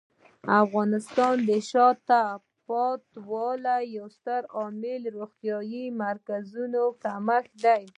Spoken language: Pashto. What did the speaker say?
د افغانستان د شاته پاتې والي یو ستر عامل د روغتیايي مرکزونو کمښت دی.